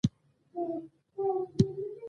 کله چې خوارج امنیت ګډوډ کړي.